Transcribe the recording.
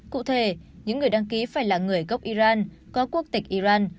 cụ thể những người đăng ký phải là người gốc iran có quốc tịch iran